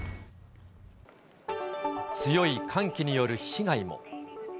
強い寒気による被害も。